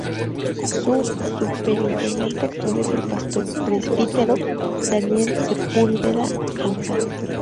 Su superintendente actual es el pastor presbítero Daniel Sepúlveda González.